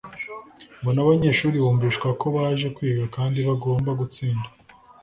ngo n’abanyeshuri bumvishwa ko baje kwiga kandi bagomba gutsinda